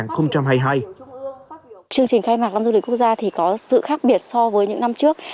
chương trình khai mạc năm du lịch quốc gia thì có sự khác biệt so với những năm trước